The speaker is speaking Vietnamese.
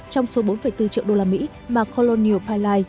trong số bốn bốn triệu đô la mỹ mà colonial pileye